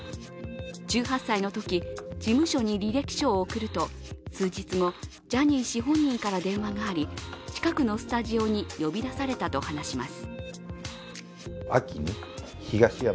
１８歳のとき事務所に履歴書を送ると数日後、ジャニー氏本人から電話があり近くのスタジオに呼び出されたといいます。